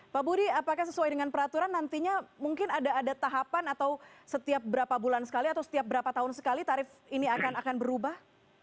pak budi apakah sesuai dengan peraturan nantinya mungkin ada tahapan atau setiap berapa bulan sekali atau setiap berapa tahun sekali tarif ini akan berubah